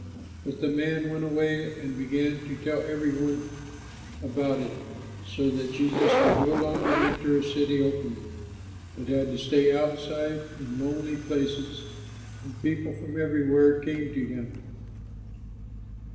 But the man went away and began to tell every one about it, so that Jesus could no longer enter a city openly, but had to stay outside in lonely places; and people from everywhere came to him.